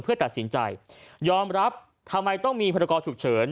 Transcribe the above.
เพื่อตัดสินใจยอมรับทำไมต้องมีพรกรฉุกเฉิน